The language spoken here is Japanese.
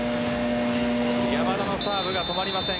山田のサーブが止まりません。